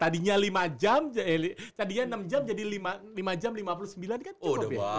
tadinya lima jam tadinya enam jam jadi lima jam lima puluh sembilan kan udah